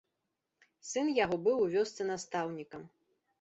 Сын яго быў у вёсцы настаўнікам.